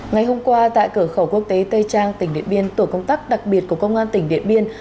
ngày hôm qua tại cửa khẩu quốc tế tây trang tỉnh điện biên tổ công tác đặc biệt của công an tỉnh điện biên